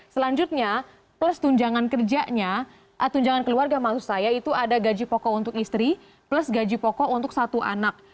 selanjutnya plus tunjangan kerjanya tunjangan keluarga maksud saya itu ada gaji pokok untuk istri plus gaji pokok untuk satu anak